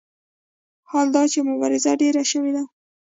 حال دا چې مبارزې ډېرې شوې دي.